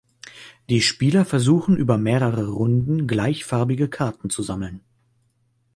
Die Spieler versuchen über mehrere Runden gleichfarbige Karten zu sammeln.